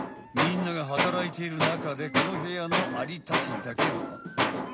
みんなが働いている中でこのへやのアリたちだけは。